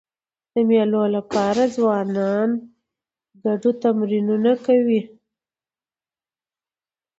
د مېلو له پاره ځوانان ګډو تمرینونه کوي.